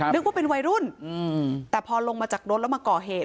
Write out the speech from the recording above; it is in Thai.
นึกว่าเป็นวัยรุ่นแต่พอลงมาจากรถแล้วมาก่อเหตุ